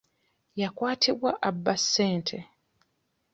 Yakwatibwa abba ssente.